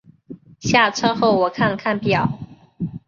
下车后我看了看表